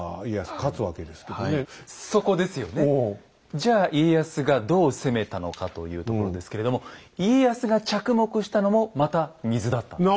じゃあ家康がどう攻めたのかというところですけれども家康が着目したのもまた水だったんです。